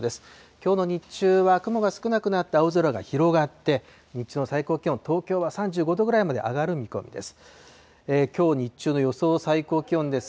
きょうの日中は雲が少なくなって青空が広がって、日中の最高気温、東京は３５度くらいまで上がる見込みです。